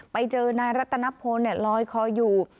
ไปเจอนายรัตนพลลอยคออยู่